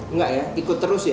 enggak ya ikut terus ya